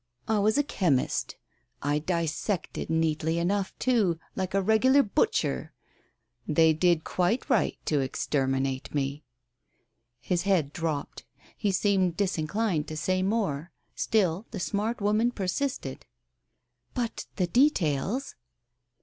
I was a chemist. I dissected neatly enough, too, like a regular butcher. They did quite right to exterminate me." His head dropped. He seemed disinclined to say more. Still the smart woman persisted. "But the details